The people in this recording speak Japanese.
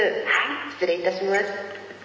失礼いたします。